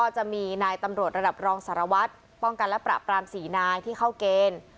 จะมีนายตำรวจระดับรองสารวัตรป้องกันและปราบปราม๔นายที่เข้าเกณฑ์